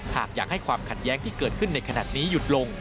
หากอยากให้ความขัดแย้งที่เกิดขึ้นในขณะนี้หยุดลง